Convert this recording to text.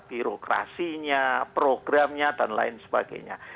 birokrasinya programnya dan lain sebagainya